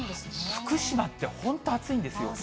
福島って、本当、暑いんですよ。